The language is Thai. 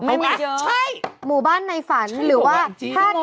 ไม่เยอะหมู่บ้านในฝันหรือว่าใช่หมู่บ้านจริง